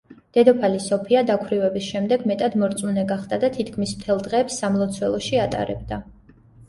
დედოფალი სოფია დაქვრივების შემდეგ მეტად მორწმუნე გახდა და თითქმის მთელ დღეებს სამლოცველოში ატარებდა.